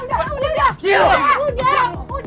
eh udah udah udah